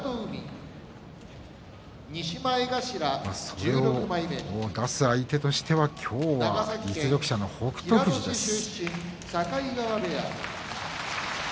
それを出す相手としては今日は実力者の北勝富士です。